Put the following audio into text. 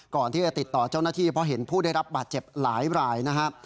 ก่อนที่จะติดต่อเจ้าหน้าที่เพราะเห็นผู้ได้รับบาดเจ็บหลายรายนะครับ